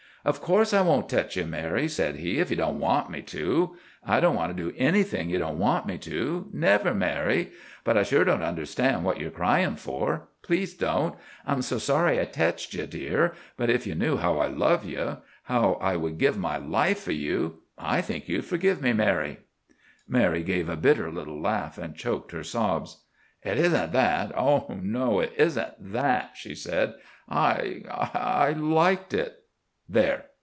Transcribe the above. "Of course, I won't tech you, Mary," said he, "if you don't want me to. I don't want to do anything you don't want me to—never, Mary. But I sure don't understand what you're crying for. Please don't. I'm so sorry I teched you, dear. But if you knew how I love you, how I would give my life for you, I think you'd forgive me, Mary." Mary gave a bitter little laugh, and choked her sobs. "It isn't that, oh no, it isn't that!" she said. "I—I liked it. There!"